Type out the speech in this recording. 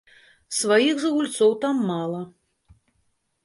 Сваіх жа гульцоў там мала.